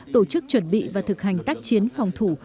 tổ chức chuẩn bị và thực hành tác chiến phòng thủ